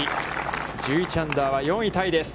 １１アンダーは４位タイです。